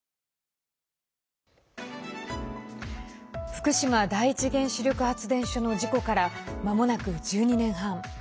福島第一原子力発電所の事故から、まもなく１２年半。